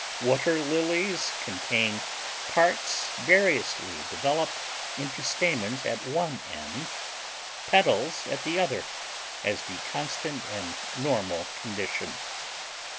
Water lilies contain parts variously developed into stamens at one end, petals at the other, as the constant and normal condition.